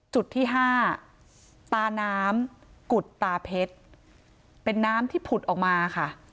จุดที่ห้าตาน้ำกุดตาเพชรเป็นน้ำที่ผุดออกมาค่ะ